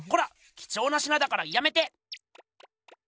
きちょうな品だからやめて！